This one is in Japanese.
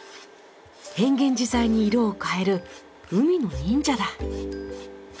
変幻自在に色を変える海の忍者だ。